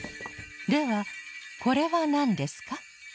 ではこれはなんですか？